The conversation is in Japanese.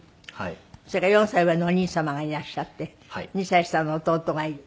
それから４歳上のお兄様がいらっしゃって２歳下の弟がいる。